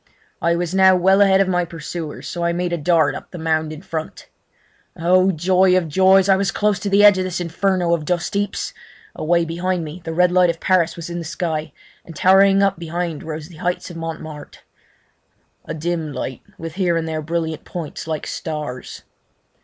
I was now well ahead of my pursuers, so I made a dart up the mound in front. Oh joy of joys! I was close to the edge of this inferno of dustheaps. Away behind me the red light of Paris was in the sky, and towering up behind rose the heights of Montmarte—a dim light, with here and there brilliant points like stars.